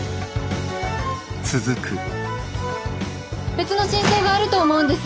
別の真相があると思うんです。